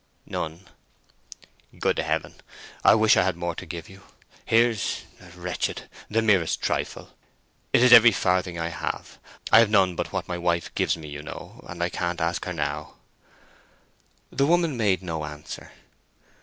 "None." "Good Heaven—I wish I had more to give you! Here's—wretched—the merest trifle. It is every farthing I have left. I have none but what my wife gives me, you know, and I can't ask her now." The woman made no answer.